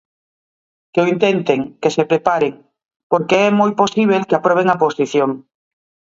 "Que o intenten, que se preparen, porque é moi posíbel que aproben a oposición".